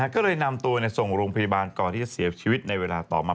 ก็เลยนำตัวส่งโรงพยาบาลก่อนที่จะเสียชีวิตในเวลาต่อมา